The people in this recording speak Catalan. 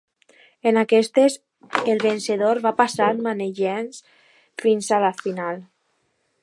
En aquestes el vencedor va passant mànegues fins a la final.